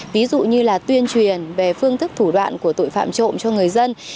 ví dụ như là tuyên truyền về phương thức thủ đoạn của tội phạm trộm cho người dân